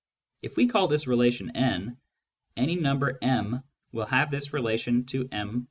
If we call this relation N, any number m will have this relation to m \ i.